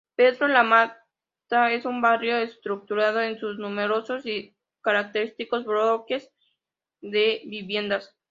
Pedro Lamata es un barrio estructurado en sus numerosos y característicos bloques de viviendas.